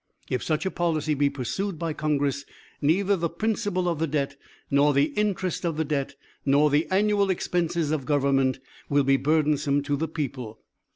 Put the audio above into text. If such a policy be pursued by Congress, neither the principal of the debt, nor the interest of the debt, nor the annual expenses of government, will be burdensome to the people.